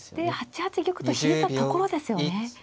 で８八玉と引いたところですよね。